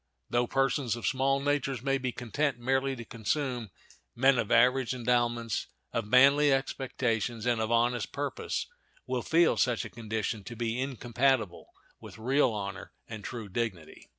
Though persons of small natures may be content merely to consume, men of average endowments, of manly expectations, and of honest purpose will feel such a condition to be incompatible with real honor and true dignity.